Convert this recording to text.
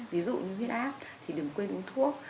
ví dụ như huyết áp thì đừng quên uống thuốc